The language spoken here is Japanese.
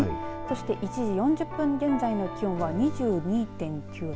そして１時４０分現在の気温は２２．９度。